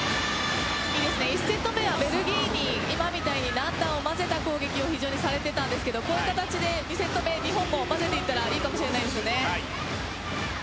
１セット目はベルギーに今みたいに軟打を交ぜた攻撃をされていたんですけどこういう形で２セット目日本も交ぜたらいいかもしれないですね。